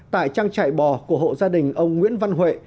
tại trang trại bò của hộ gia đình ông nguyễn văn huệ